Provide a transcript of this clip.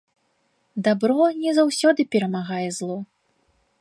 Дабро не заўсёды перамагае зло.